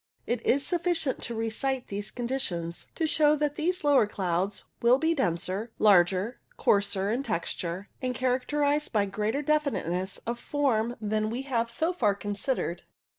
It is sufficient to recite these condi tions to show that these lower clouds will be denser, larger, coarser in texture, and characterized by greater definiteness of form than those we have, so far, considered.